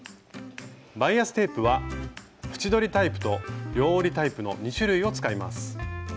バイアステープは縁取りタイプと両折りタイプの２種類を使います。